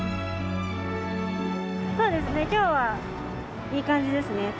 今日はいい感じですね。